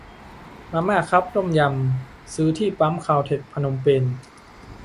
มาม่าคัพต้มยำ ซื้อที่ปั๊มคาลเท็กซ์พนมเปญ